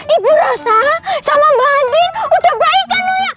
ibu rossa sama mbak andin udah baik kan uya